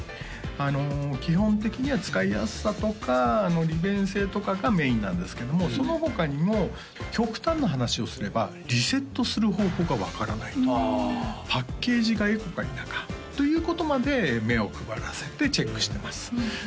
基本的には使いやすさとか利便性とかがメインなんですけどもその他にも極端な話をすればリセットする方法が分からないとかパッケージがエコか否かということまで目を配らせてチェックしてます